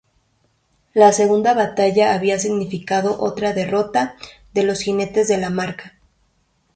La segunda batalla había significado otra derrota de los Jinetes de la Marca.